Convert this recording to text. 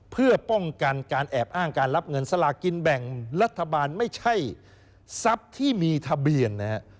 เพื่อป้องกันการแอบอ้างการรับเงินสลากินแบ่งรัฐบาลไม่ใช่ทรัพย์ที่มีทะเบียนนะฮะ